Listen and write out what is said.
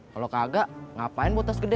kalau kagak ngapain mau tas gede